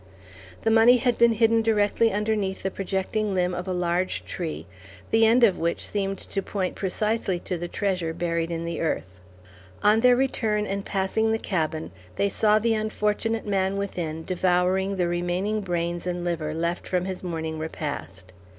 The money had been hidden directly underneath the projecting limb of a large tree, the end of which seemed to point precisely to the treasure buried in the earth. On their return and passing the cabin, they saw the unfortunate man within devouring the remaining brains and liver left from his morning repast.